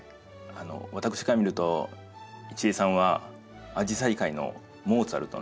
私から見ると一江さんはアジサイ界のモーツァルトのような。